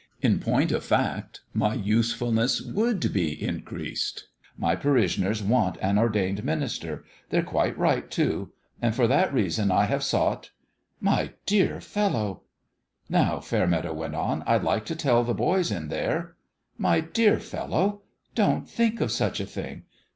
In point of fact, my usefulness would be increased. My parishioners want an ordained minister. They're quite right, too. And for that reason I have sought "" My dear fellow 1 "" Now," Fairmeadow went on, " I'd like to tell the boys in there " "My dear fellow! Don't think of such a thing.